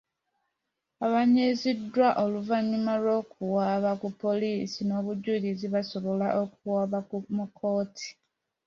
Abanyiiziddwa oluvannyuma lw'okuwaaba ku poliisi n'obujulizi basobola okuwaaba mu kkooti.